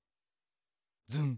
ズン。